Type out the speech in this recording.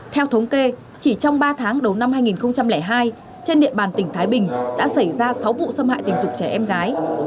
theo thống kê chỉ trong ba tháng đầu năm hai nghìn hai trên địa bàn tỉnh thái bình đã xảy ra sáu vụ xâm hại tình dục trẻ em gái